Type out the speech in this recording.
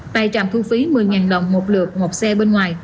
tại trạm thu phí một mươi đồng một lượt một xe bên ngoài